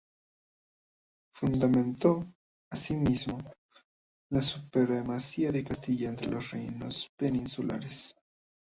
Fundamentó, asimismo, la supremacía de Castilla entre los reinos peninsulares.